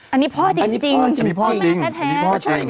อันนี้พ่อจริงอันนี้พ่อจริง